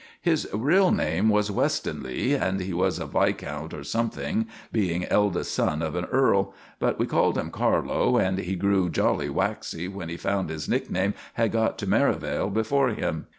His real name was Westonleigh, and he was a viscount or something, being eldest son of an earl; but we called him Carlo, and he grew jolly waxy when he found his nickname had got to Merivale before him.